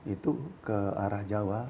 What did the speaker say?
itu ke arah jawa